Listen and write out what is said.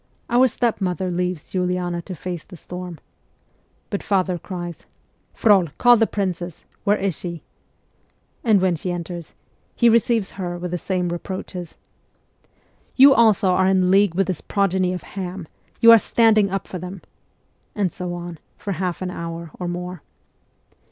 Our stepmother leaves Uliana to face the storm. But father cries, 'Frol, call the princess ! Where is she ?' And when she enters, he receives her with the same reproaches. ' You also are in league with this progeny of Ham ; you are standing up for them ;' and so on, for half an hour or more.